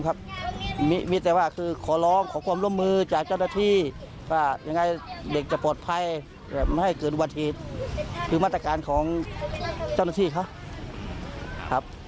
เขาตอบว่ายังไงไปฟังค่ะ